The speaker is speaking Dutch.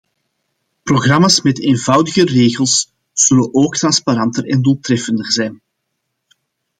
Programma's met eenvoudiger regels zullen ook transparanter en doeltreffender zijn.